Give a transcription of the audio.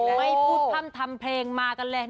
ไม่พูดทำเพลงมากันแหละ